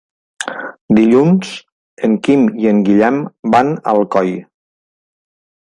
Dilluns en Quim i en Guillem van a Alcoi.